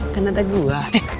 kan ada gua